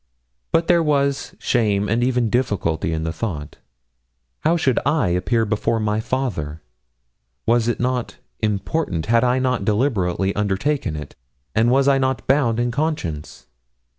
But there was shame and even difficulty in the thought. How should I appear before my father? Was it not important had I not deliberately undertaken it and was I not bound in conscience?